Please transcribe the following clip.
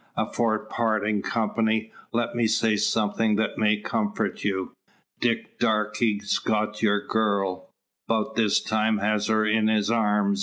Afore partin' company, let me say somethin' that may comfort you. Dick Darke's got your girl; 'bout this time has her in his arms!"